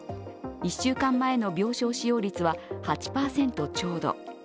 １週間前の病床使用率は８％ちょうど。